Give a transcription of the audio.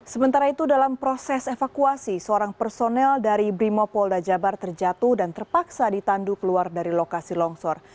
sementara itu dalam proses evakuasi seorang personel dari brimopolda jabar terjatuh dan terpaksa ditandu keluar dari lokasi longsor